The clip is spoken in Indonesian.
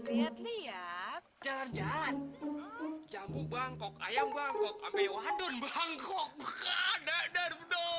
lihat lihat jalan jalan jambu bangkok ayam bangkok ampe wadon bangkok dadar